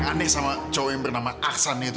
aneh sama cowok yang bernama aksan itu